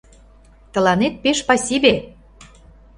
— Тыланетат пеш пасибе!